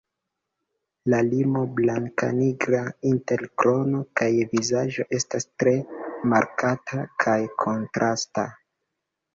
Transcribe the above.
La limo blankanigra inter krono kaj vizaĝo estas tre markata kaj kontrasta.